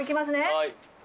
はい。